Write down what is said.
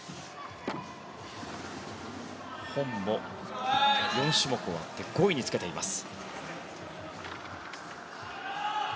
ホンも４種目終わって５位につけています。